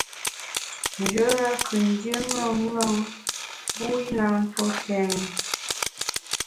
Njoya kù ndié ṅaṅâ na, mbu i na ntue kèn.